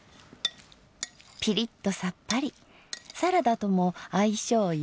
ピリッとさっぱりサラダとも相性よし！